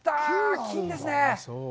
金ですね。